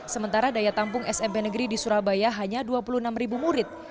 sementara daya tampung smp negeri di surabaya hanya dua puluh enam murid